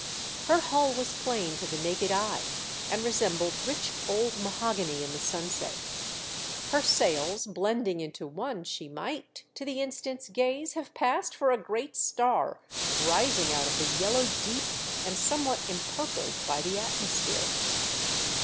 Her hull was plain to the naked eye and resembled rich old mahogany in the sunset. Her sails blending into one, she might, to the instant's gaze, have passed for a great star rising out of the yellow deep and somewhat empurpled by the atmosphere.